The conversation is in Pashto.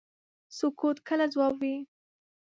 سکوت کله ځواب وي.